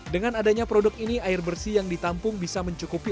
dengan adanya produk ini air bersih yang ditampung bisa mencukupi